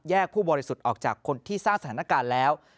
ผู้บริสุทธิ์ออกจากคนที่สร้างสถานการณ์แล้ว